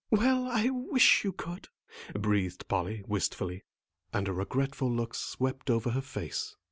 Well, I wish you could," breathed Polly, wistfully, and a regretful look swept over her face.